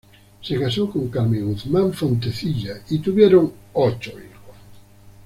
Se casó con Carmen Guzmán Fontecilla y tuvieron ocho hijos.